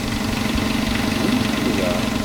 Bdum tura!